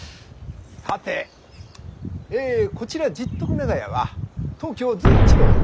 さてえこちら十徳長屋は東京随一の貧乏長屋。